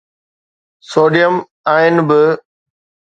sodium ion ب